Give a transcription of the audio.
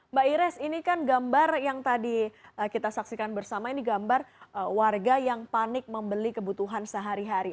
mbak ires ini kan gambar yang tadi kita saksikan bersama ini gambar warga yang panik membeli kebutuhan sehari hari